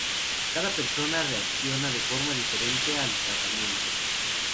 Cada persona reacciona de forma diferente al tratamiento.